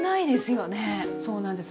そうなんです。